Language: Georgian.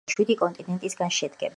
დედამიწა შვიდი კონტინეტისაგან შედგება